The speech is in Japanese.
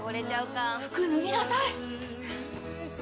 服脱ぎなさい。